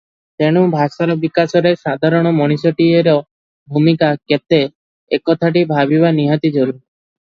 ତେଣୁ ଭାଷାର ବିକାଶରେ ସାଧାରଣ ମଣିଷଟିଏର ଭୂମିକା କେତେ ଏକଥାଟି ଭାବିବା ନିହାତି ଜରୁରୀ ।